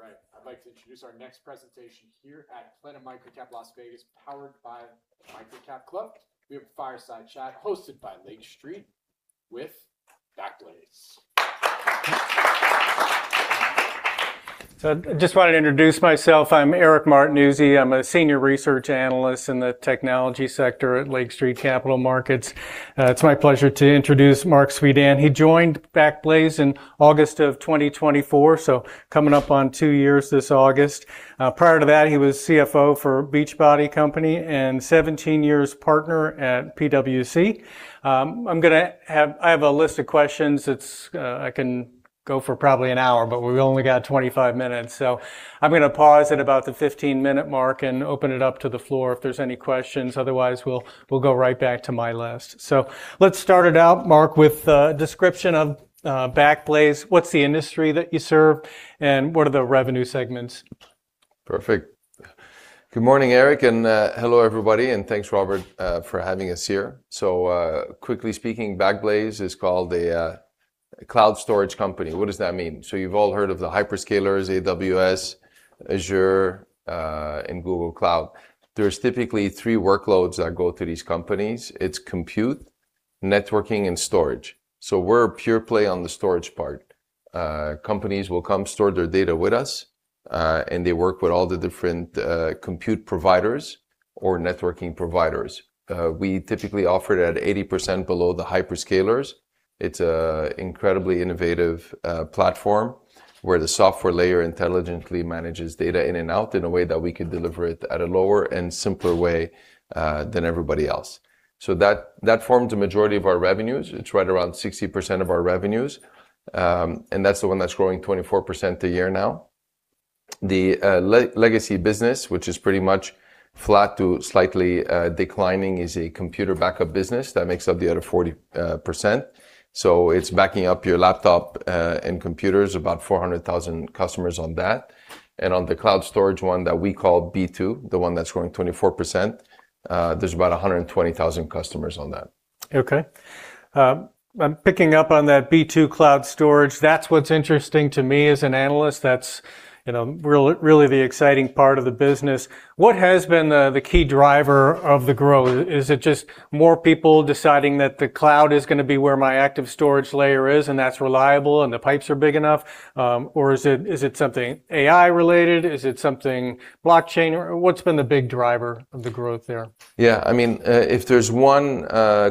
All right. I'd like to introduce our next presentation here at Planet MicroCap Las Vegas, powered by the MicroCapClub. We have a fireside chat hosted by Lake Street with Backblaze. I just wanted to introduce myself. I'm Eric Martinuzzi. I'm a senior research analyst in the technology sector at Lake Street Capital Markets. It's my pleasure to introduce Marc Suidan. He joined Backblaze in August of 2024, so coming up on two years this August. Prior to that, he was CFO for Beachbody Company and 17 years partner at PwC. I have a list of questions. I can go for probably an hour, but we've only got 25 minutes, so I'm going to pause at about the 15-minute mark and open it up to the floor if there's any questions. Otherwise, we'll go right back to my list. Let's start it out, Marc, with a description of Backblaze. What's the industry that you serve and what are the revenue segments? Perfect. Good morning, Eric, and hello, everybody, and thanks, Robert, for having us here. Quickly speaking, Backblaze is called a cloud storage company. What does that mean? You've all heard of the hyperscalers, AWS, Azure, and Google Cloud. There's typically three workloads that go to these companies. It's compute, networking, and storage. We're a pure play on the storage part. Companies will come store their data with us, and they work with all the different compute providers or networking providers. We typically offer it at 80% below the hyperscalers. It's a incredibly innovative platform where the software layer intelligently manages data in and out in a way that we could deliver it at a lower and simpler way than everybody else. That forms a majority of our revenues. It's right around 60% of our revenues. That's the one that's growing 24% a year now. The legacy business, which is pretty much flat to slightly declining, is a computer backup business that makes up the other 40%. It's backing up your laptop, and computers, about 400,000 customers on that. On the cloud storage one that we call B2, the one that's growing 24%, there's about 120,000 customers on that. Okay. I'm picking up on that B2 cloud storage. That's what's interesting to me as an analyst. That's really the exciting part of the business. What has been the key driver of the growth? Is it just more people deciding that the cloud is going to be where my active storage layer is and that's reliable and the pipes are big enough? Or is it something AI related? Is it something blockchain or what's been the big driver of the growth there? Yeah, if there's one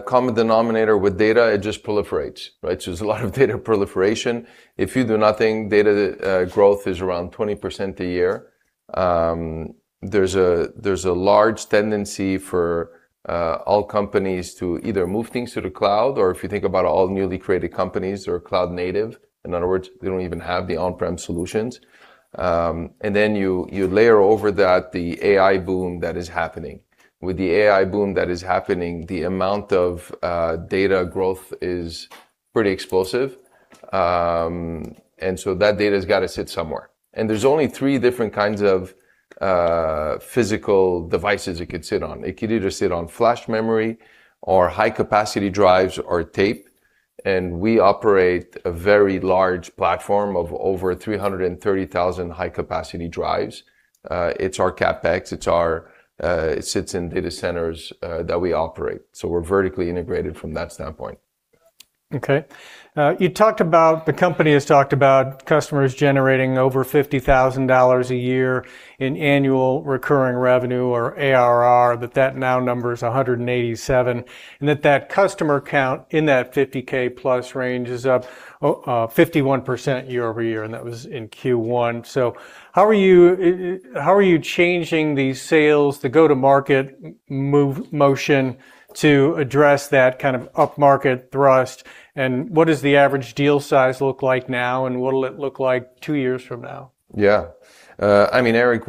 common denominator with data, it just proliferates, right? There's a lot of data proliferation. If you do nothing, data growth is around 20% a year. There's a large tendency for all companies to either move things to the cloud, or if you think about all newly created companies are cloud native. In other words, they don't even have the on-prem solutions. Then you layer over that the AI boom that is happening. With the AI boom that is happening, the amount of data growth is pretty explosive. That data's got to sit somewhere. There's only three different kinds of physical devices it could sit on. It could either sit on flash memory or high-capacity drives or tape, and we operate a very large platform of over 330,000 high-capacity drives. It's our CapEx. It sits in data centers that we operate. We're vertically integrated from that standpoint. Okay. The company has talked about customers generating over $50,000 a year in annual recurring revenue, or ARR, that that now number is 187, and that that customer count in that 50K-plus range is up 51% year-over-year, and that was in Q1. How are you changing the sales, the go-to-market motion to address that kind of upmarket thrust, and what does the average deal size look like now, and what'll it look like two years from now? Yeah. Eric,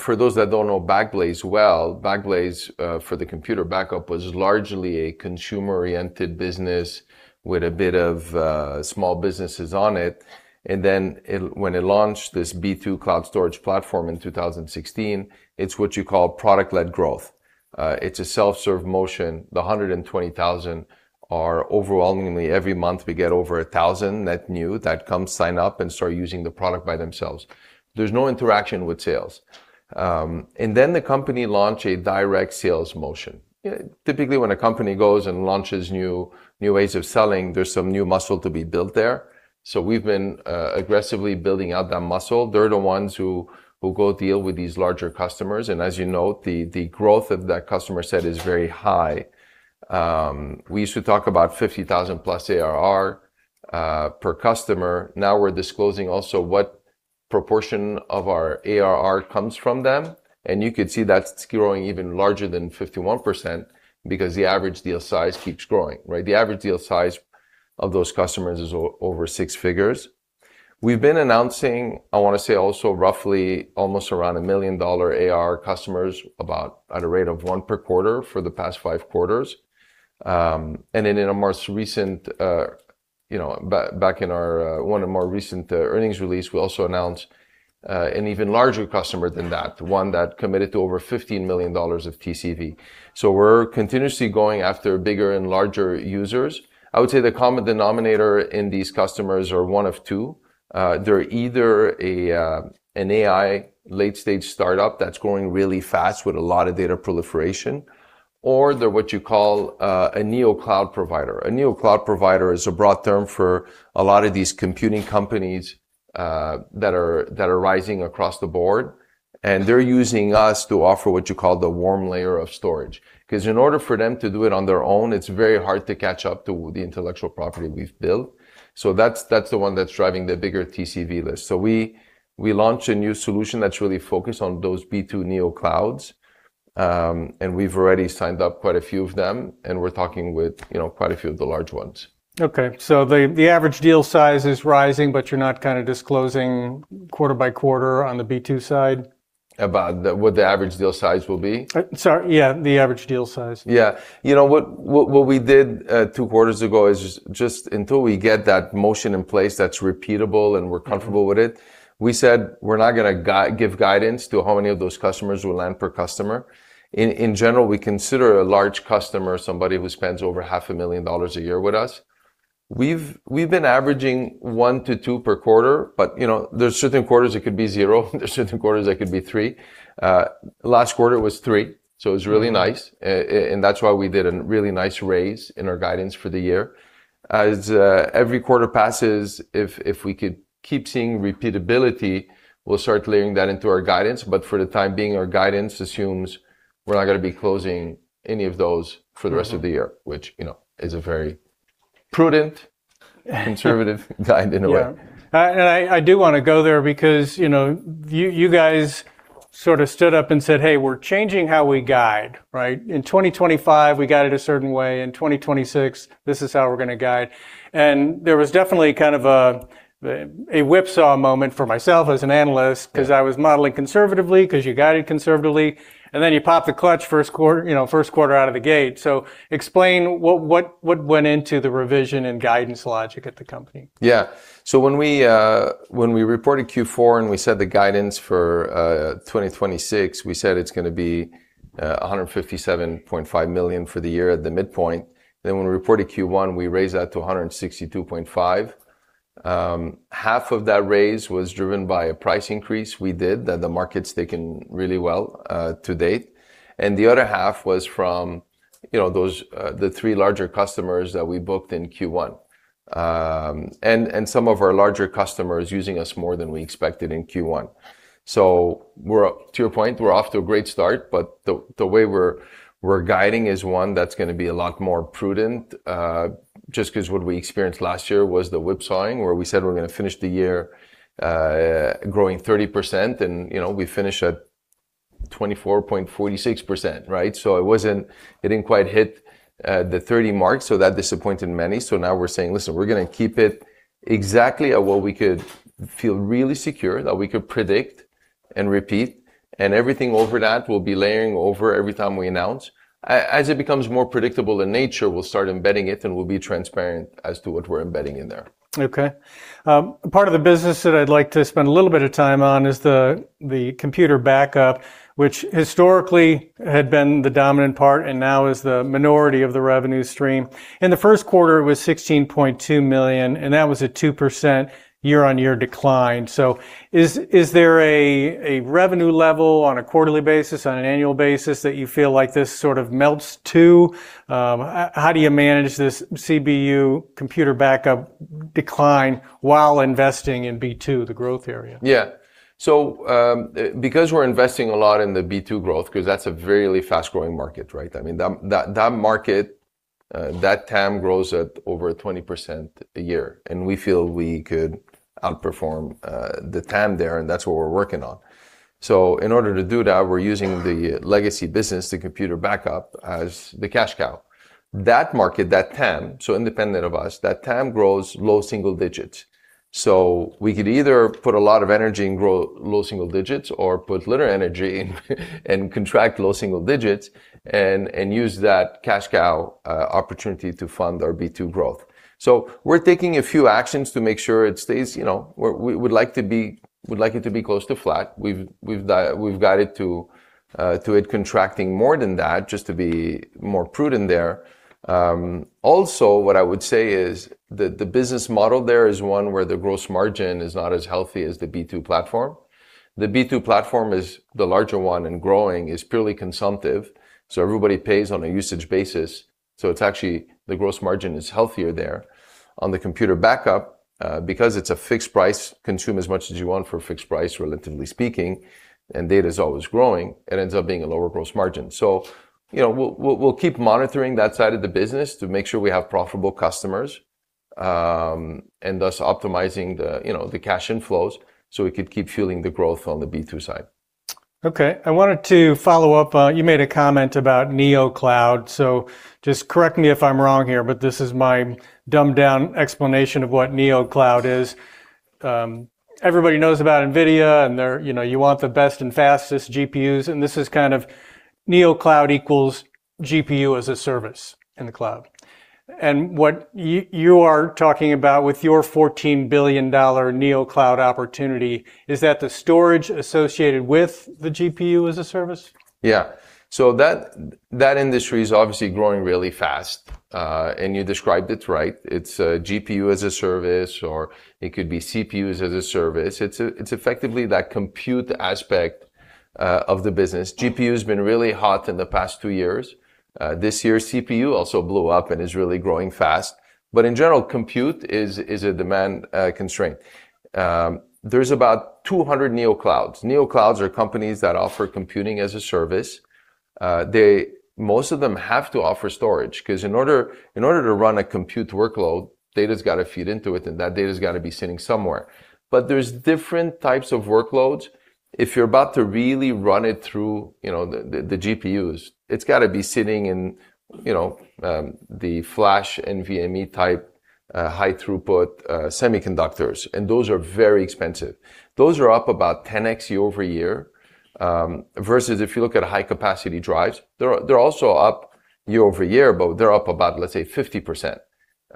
for those that don't know Backblaze well, Backblaze, for the computer backup, was largely a consumer-oriented business with a bit of small businesses on it. When it launched this B2 cloud storage platform in 2016, it's what you call product-led growth. It's a self-serve motion. The 120,000 are overwhelmingly every month, we get over 1,000 net new that come sign up and start using the product by themselves. There's no interaction with sales. The company launch a direct sales motion. Typically, when a company goes and launches new ways of selling, there's some new muscle to be built there. We've been aggressively building out that muscle. They're the ones who go deal with these larger customers, and as you note, the growth of that customer set is very high. We used to talk about $50,000-plus ARR per customer. Now we're disclosing also what proportion of our ARR comes from them, and you could see that's growing even larger than 51% because the average deal size keeps growing, right? The average deal size of those customers is over six figures. We've been announcing, I want to say also roughly almost around $1 million AR customers about at a rate of one per quarter for the past five quarters. In one of more recent earnings release, we also announced an even larger customer than that, one that committed to over $15 million of TCV. We're continuously going after bigger and larger users. I would say the common denominator in these customers are one of two. They're either an AI late-stage startup that's growing really fast with a lot of data proliferation, or they're what you call a neocloud provider. A neocloud provider is a broad term for a lot of these computing companies that are rising across the board, they're using us to offer what you call the warm layer of storage. Because in order for them to do it on their own, it's very hard to catch up to the intellectual property we've built. That's the one that's driving the bigger TCV list. We launched a new solution that's really focused on those B2 neoclouds, we've already signed up quite a few of them, we're talking with quite a few of the large ones. Okay. The average deal size is rising, but you're not disclosing quarter by quarter on the B2 side? About what the average deal size will be? Sorry. Yeah, the average deal size. Yeah. What we did two quarters ago is just until we get that motion in place that's repeatable and we're comfortable with it, we said we're not going to give guidance to how many of those customers we'll land per customer. In general, we consider a large customer somebody who spends over half a million dollars a year with us. We've been averaging one to two per quarter, there's certain quarters it could be zero. There's certain quarters it could be three. Last quarter was three, it was really nice, and that's why we did a really nice raise in our guidance for the year. Every quarter passes, if we could keep seeing repeatability, we'll start layering that into our guidance. For the time being, our guidance assumes we're not going to be closing any of those for the rest of the year, which is a very prudent, conservative guide in a way. Yeah. I do want to go there because you guys sort of stood up and said, "Hey, we're changing how we guide." Right? In 2025, we guided a certain way. In 2026, this is how we're going to guide. There was definitely kind of a whipsaw moment for myself as an analyst because I was modeling conservatively, because you guided conservatively, and then you pop the clutch first quarter out of the gate. Explain what went into the revision and guidance logic at the company. Yeah. When we reported Q4 and we set the guidance for 2026, we said it's going to be $157.5 million for the year at the midpoint. When we reported Q1, we raised that to $162.5 million. Half of that raise was driven by a price increase we did that the market's taken really well to date, and the other half was from the three larger customers that we booked in Q1. Some of our larger customers using us more than we expected in Q1. To your point, we're off to a great start, the way we're guiding is one that's going to be a lot more prudent, just because what we experienced last year was the whipsawing where we said we're going to finish the year growing 30%, we finished at 24.46%, right? It didn't quite hit the 30 mark, so that disappointed many. Now we're saying, listen, we're going to keep it exactly at what we could feel really secure, that we could predict and repeat. Everything over that we'll be layering over every time we announce. As it becomes more predictable in nature, we'll start embedding it, we'll be transparent as to what we're embedding in there. Okay. Part of the business that I'd like to spend a little bit of time on is the computer backup, which historically had been the dominant part and now is the minority of the revenue stream. In the first quarter, it was $16.2 million. That was a 2% year-on-year decline. Is there a revenue level on a quarterly basis, on an annual basis, that you feel like this sort of melts to? How do you manage this CBU computer backup decline while investing in B2, the growth area? Because we're investing a lot in the B2 growth, because that's a really fast-growing market, right? That market, that TAM grows at over 20% a year, and we feel we could outperform the TAM there, and that's what we're working on. In order to do that, we're using the legacy business, the computer backup, as the cash cow. That market, that TAM, independent of us, that TAM grows low single digits. We could either put a lot of energy and grow low single digits or put little energy and contract low single digits and use that cash cow opportunity to fund our B2 growth. We're taking a few actions to make sure it stays where we would like it to be close to flat. We've guided to it contracting more than that just to be more prudent there. What I would say is that the business model there is one where the gross margin is not as healthy as the B2 platform. The B2 platform is the larger one and growing is purely consumptive, everybody pays on a usage basis. It's actually the gross margin is healthier there. On the computer backup, because it's a fixed price, consume as much as you want for a fixed price, relatively speaking, and data's always growing, it ends up being a lower gross margin. We'll keep monitoring that side of the business to make sure we have profitable customers, and thus optimizing the cash inflows we could keep fueling the growth on the B2 side. I wanted to follow up. You made a comment about neocloud, just correct me if I'm wrong here, but this is my dumbed-down explanation of what neocloud is. Everybody knows about NVIDIA, and you want the best and fastest GPUs, and this is kind of neocloud equals GPU as a service in the cloud. What you are talking about with your $14 billion neocloud opportunity is that the storage associated with the GPU as a service? That industry is obviously growing really fast, and you described it right. It's a GPU as a service, or it could be CPUs as a service. It's effectively that compute aspect of the business. GPU's been really hot in the past two years. This year, CPU also blew up and is really growing fast, in general, compute is a demand constraint. There's about 200 neoclouds. Neoclouds are companies that offer computing as a service. Most of them have to offer storage because in order to run a compute workload, data's got to feed into it, and that data's got to be sitting somewhere. There's different types of workloads. If you're about to really run it through the GPUs, it's got to be sitting in the flash NVMe-type, high throughput semiconductors, and those are very expensive. Those are up about 10x year-over-year, versus if you look at high-capacity drives, they're also up year-over-year, but they're up about, let's say, 50%.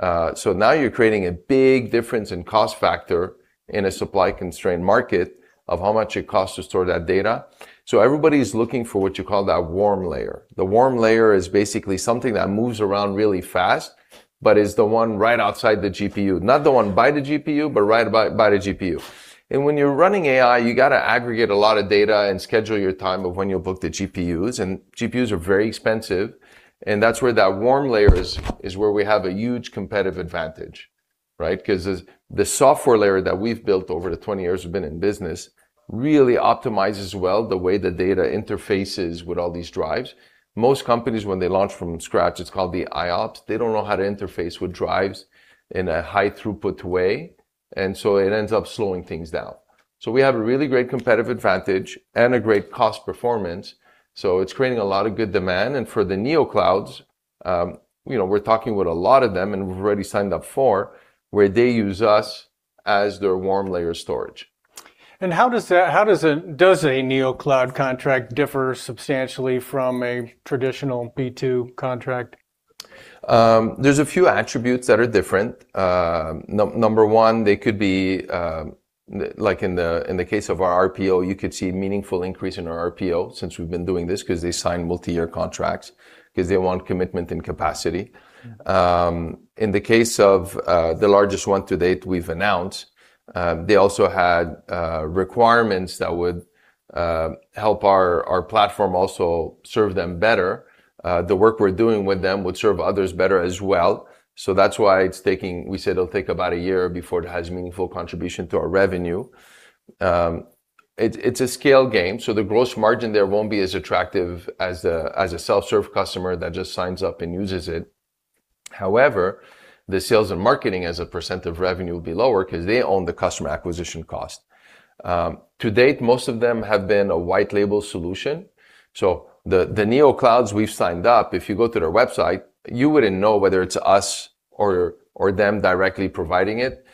Now you're creating a big difference in cost factor in a supply-constrained market of how much it costs to store that data. Everybody's looking for what you call that warm layer. The warm layer is basically something that moves around really fast but is the one right outside the GPU. Not the one by the GPU, but right by the GPU. When you're running AI, you got to aggregate a lot of data and schedule your time of when you'll book the GPUs, and GPUs are very expensive, and that's where that warm layer is where we have a huge competitive advantage, right? The software layer that we've built over the 20 years we've been in business really optimizes well the way the data interfaces with all these drives. Most companies, when they launch from scratch, it's called the IOPS. They don't know how to interface with drives in a high throughput way, it ends up slowing things down. We have a really great competitive advantage and a great cost performance, it's creating a lot of good demand. For the neoclouds, we're talking with a lot of them, and we've already signed up four where they use us as their warm layer storage. How does a neocloud contract differ substantially from a traditional B2 contract? There's a few attributes that are different. Number 1, they could be, like in the case of our RPO, you could see a meaningful increase in our RPO since we've been doing this because they sign multi-year contracts because they want commitment and capacity. In the case of the largest one to date we've announced, they also had requirements that would help our platform also serve them better. The work we're doing with them would serve others better as well, that's why we said it'll take about a year before it has a meaningful contribution to our revenue. It's a scale game. The gross margin there won't be as attractive as a self-serve customer that just signs up and uses it. However, the sales and marketing as a % of revenue will be lower because they own the customer acquisition cost. To date, most of them have been a white label solution. The neoclouds we've signed up, if you go to their website, you wouldn't know whether it's us or them directly providing it.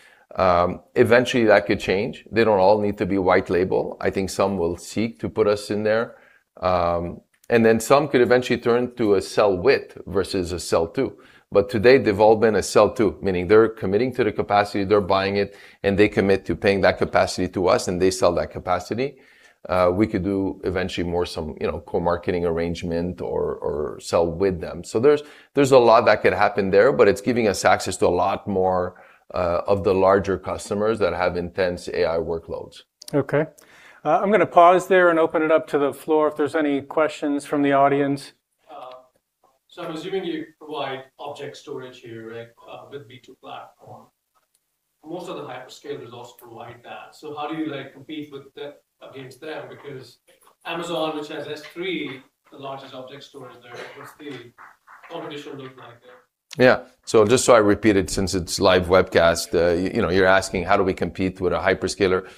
Eventually, that could change. They don't all need to be white label. I think some will seek to put us in there, some could eventually turn to a sell with versus a sell to. Today, they've all been a sell to, meaning they're committing to the capacity, they're buying it, and they commit to paying that capacity to us, and they sell that capacity. We could do eventually more co-marketing arrangement or sell with them. There's a lot that could happen there, but it's giving us access to a lot more of the larger customers that have intense AI workloads. Okay. I'm going to pause there and open it up to the floor if there's any questions from the audience. I'm assuming you provide object storage here, right, with B2 platform. Most of the hyperscalers also provide that. How do you compete against them? Because Amazon, which has S3, the largest object storage there, what's the competition look like there? Yeah. Just so I repeat it since it's live webcast, you're asking how do we compete with a hyperscaler,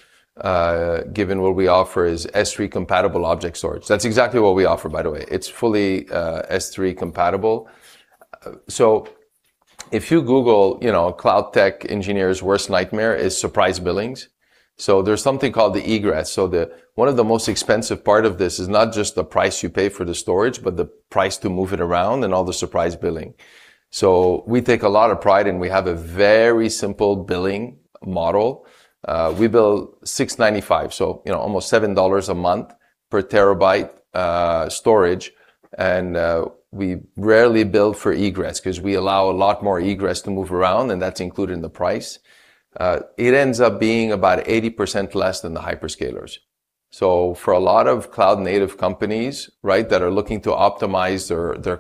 given what we offer is S3-compatible object storage. That's exactly what we offer, by the way. It's fully S3-compatible. If you Google, cloud tech engineers' worst nightmare is surprise billings. There's something called the egress. One of the most expensive part of this is not just the price you pay for the storage, but the price to move it around and all the surprise billing. We take a lot of pride in we have a very simple billing model. We bill $6.95, almost $7 a month per terabyte storage, and we rarely bill for egress because we allow a lot more egress to move around, and that's included in the price. It ends up being about 80% less than the hyperscalers. For a lot of cloud-native companies that are looking to optimize their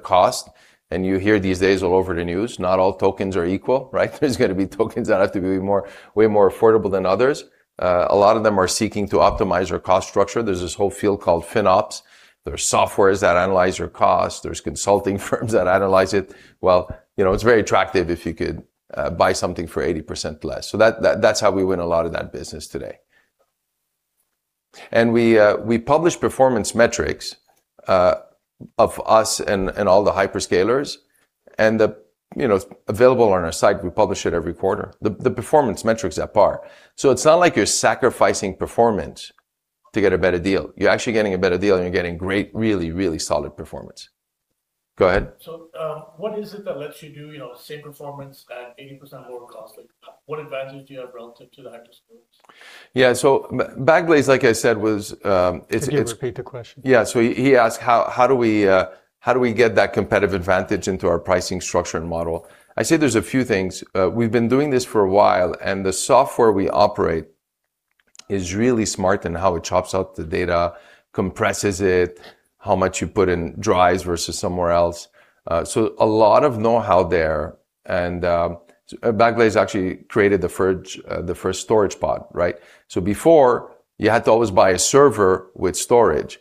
cost, you hear these days all over the news, not all tokens are equal, right? There's going to be tokens that have to be way more affordable than others. A lot of them are seeking to optimize their cost structure. There's this whole field called FinOps. There's softwares that analyze your cost. There's consulting firms that analyze it. It's very attractive if you could buy something for 80% less. That's how we win a lot of that business today. We publish performance metrics of us and all the hyperscalers, and it's available on our site. We publish it every quarter. The performance metrics at par. It's not like you're sacrificing performance to get a better deal. You're actually getting a better deal, and you're getting great, really, really solid performance. Go ahead. What is it that lets you do same performance at 80% lower cost? What advantage do you have relative to the hyperscalers? Yeah. Backblaze, like I said, Could you repeat the question? Yeah. He asked how do we get that competitive advantage into our pricing structure and model? I say there's a few things. We've been doing this for a while, and the software we operate is really smart in how it chops up the data, compresses it, how much you put in drives versus somewhere else. A lot of know-how there, and Backblaze actually created the first Storage Pod, right? Before, you had to always buy a server with storage.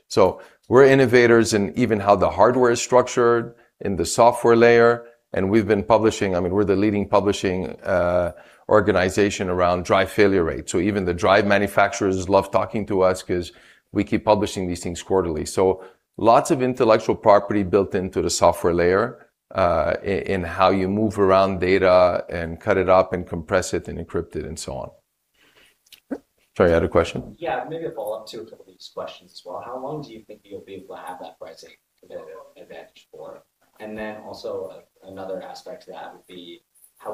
We're innovators in even how the hardware is structured in the software layer, and we've been publishing, we're the leading publishing organization around drive failure rates. Even the drive manufacturers love talking to us because we keep publishing these things quarterly. Lots of intellectual property built into the software layer, in how you move around data and cut it up and compress it and encrypt it and so on. Sorry, you had a question? Yeah. Maybe a follow-up to a couple of these questions as well. How long do you think you'll be able to have that pricing competitive advantage for? Also, another aspect to that would be,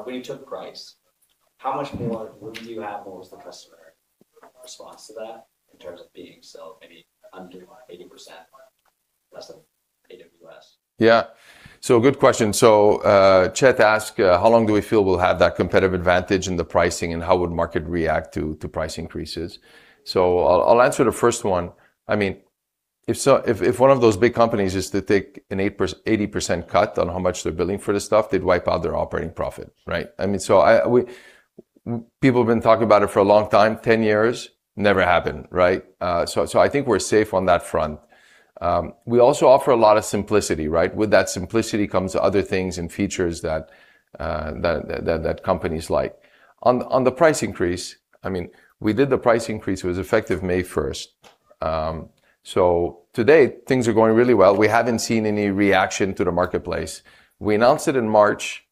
when you took price, how much more would you have, what was the customer response to that in terms of being, maybe under 80% less than AWS? Yeah. Good question. Chet asked how long do we feel we'll have that competitive advantage in the pricing, and how would market react to price increases? I'll answer the first one. If one of those big companies is to take an 80% cut on how much they're billing for this stuff, they'd wipe out their operating profit, right? People have been talking about it for a long time, 10 years, never happened. Right? I think we're safe on that front. We also offer a lot of simplicity, right? With that simplicity comes other things and features that companies like. On the price increase, we did the price increase, it was effective May 1st. Today, things are going really well. We haven't seen any reaction to the marketplace. We announced it in March.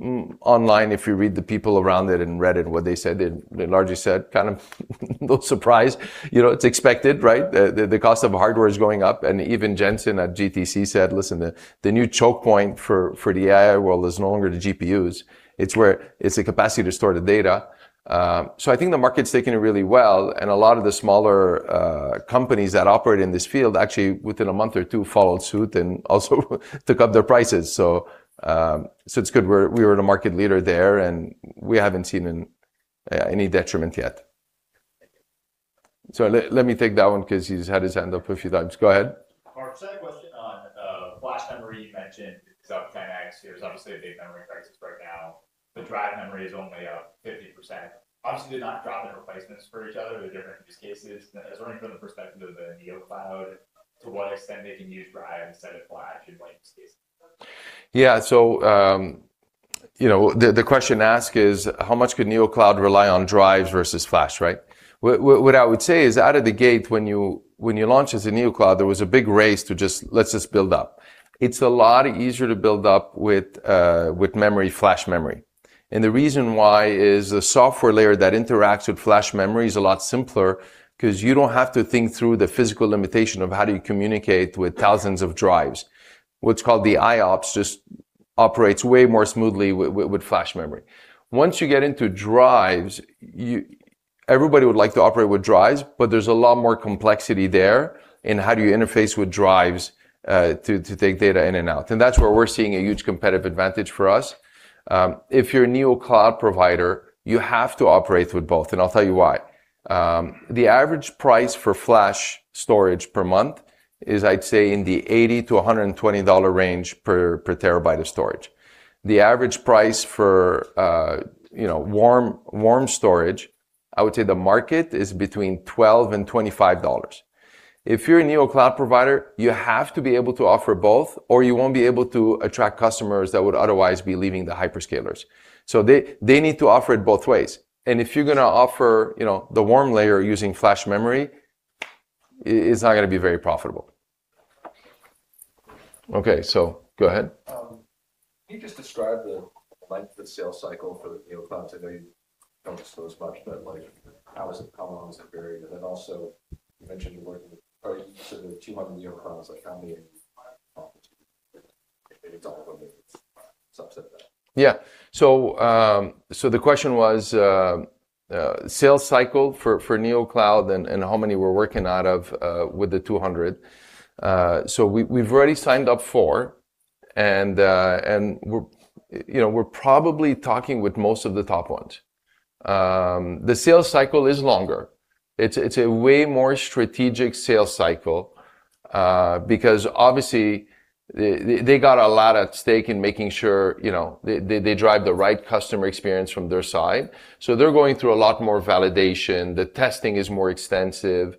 Online, if you read the people around it and read it, what they said, they largely said no surprise. It's expected, right? The cost of hardware is going up, and even Jensen at GTC said, "Listen, the new choke point for the AI world is no longer the GPUs. It's the capacity to store the data." I think the market's taking it really well, and a lot of the smaller companies that operate in this field, actually, within a month or two, followed suit and also took up their prices. It's good. We were the market leader there, and we haven't seen any detriment yet. Sorry, let me take that one because he's had his hand up a few times. Go ahead. Marc, second question on flash memory. You mentioned it's up 10x. There's obviously a big memory crisis right now. Drive memory is only up 50%. Obviously, they're not dropping replacements for each other. They're different use cases. I was wondering from the perspective of the neocloud, to what extent they can use drives instead of flash in use cases like that? Yeah. The question asked is how much could neocloud rely on drives versus flash, right? What I would say is out of the gate, when you launch as a neocloud, there was a big race to just, "Let's just build up." It's a lot easier to build up with flash memory. The reason why is the software layer that interacts with flash memory is a lot simpler because you don't have to think through the physical limitation of how do you communicate with thousands of drives. What's called the IOPS just operates way more smoothly with flash memory. Once you get into drives, everybody would like to operate with drives, but there's a lot more complexity there in how do you interface with drives to take data in and out. That's where we're seeing a huge competitive advantage for us. If you're a neocloud provider, you have to operate with both, and I'll tell you why. The average price for flash storage per month is, I'd say, in the $80-$120 range per terabyte of storage. The average price for warm storage, I would say the market is between $12-$25. If you're a neocloud provider, you have to be able to offer both, or you won't be able to attract customers that would otherwise be leaving the hyperscalers. They need to offer it both ways. If you're going to offer the warm layer using flash memory, it's not going to be very profitable. Okay. Go ahead. Can you just describe the length of the sales cycle for the neocloud? Today, I don't suppose much, but how is it? How long is it varied? Also, you mentioned you're working with, sorry, you said there are 200 neoclouds. How many are you with? If any, all of them, or a subset of that? The question was, sales cycle for neocloud, and how many we're working out of with the 200. We've already signed up four, and we're probably talking with most of the top ones. The sales cycle is longer. It's a way more strategic sales cycle. Obviously, they got a lot at stake in making sure they drive the right customer experience from their side. They're going through a lot more validation. The testing is more extensive.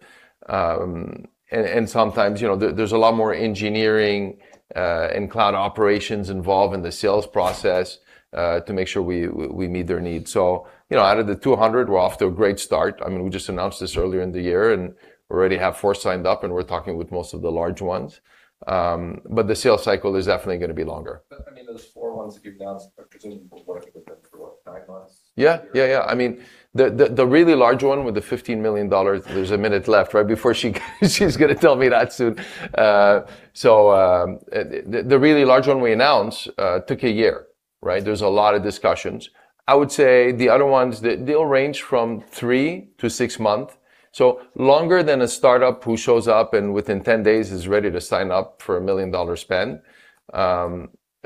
Sometimes, there's a lot more engineering and cloud operations involved in the sales process to make sure we meet their needs. Out of the 200, we're off to a great start. We just announced this earlier in the year, and we already have four signed up, and we're talking with most of the large ones. The sales cycle is definitely going to be longer. The really large one with the $15 million, there's a minute left, right before she is going to tell me that soon. The really large one we announced took a year. There's a lot of discussions. I would say the other ones, they'll range from three to six month. Longer than a startup who shows up and within 10 days is ready to sign up for a million-dollar spend.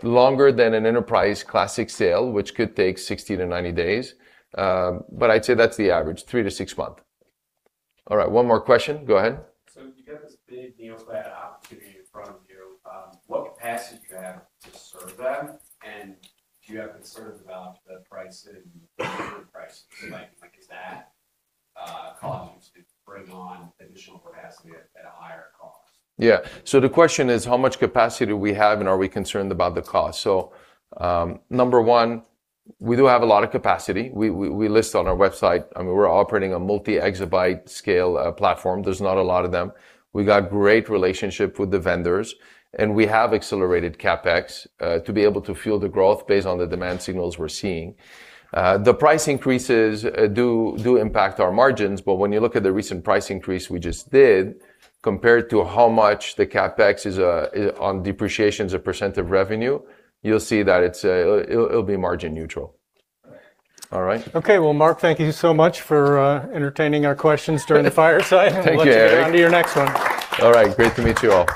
Longer than an enterprise classic sale, which could take 60 to 90 days. I'd say that's the average, three to six month. All right, one more question. Go ahead. You got this big neocloud opportunity in front of you. What capacity do you have to serve them, and do you have concern about the pricing and delivery prices? Like, does that cause you to bring on additional capacity at a higher cost? Yeah. The question is, how much capacity do we have, and are we concerned about the cost? Number one, we do have a lot of capacity. We list on our website, we're operating a multi-exabyte scale platform. There's not a lot of them. We got great relationship with the vendors, and we have accelerated CapEx to be able to fuel the growth based on the demand signals we're seeing. The price increases do impact our margins, but when you look at the recent price increase we just did compared to how much the CapEx is on depreciation as a percent of revenue, you'll see that it'll be margin neutral. All right. All right. Okay. Well, Marc, thank you so much for entertaining our questions during the fireside. Thank you, Eric. Let's get on to your next one. All right. Great to meet you all.